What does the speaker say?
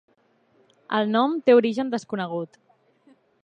El nom té origen desconegut.